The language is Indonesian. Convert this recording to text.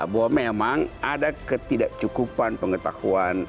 bahwa memang ada ketidakcukupan pengetahuan